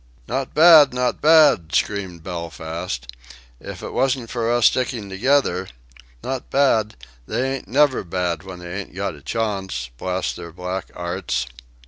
"Not bad! Not bad!" screamed Belfast. "If it wasn't for us sticking together.... Not bad! They ain't never bad when they ain't got a chawnce, blast their black 'arts...."